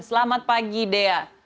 selamat pagi dea